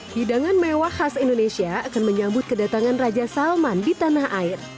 hidangan mewah khas indonesia akan menyambut kedatangan raja salman di tanah air